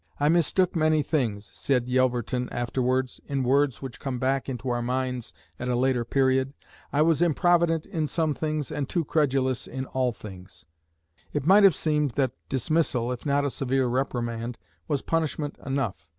"I mistook many things," said Yelverton afterwards, in words which come back into our minds at a later period, "I was improvident in some things, and too credulous in all things." It might have seemed that dismissal, if not a severe reprimand, was punishment enough.